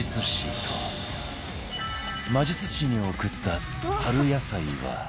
魔術師に送った春野菜は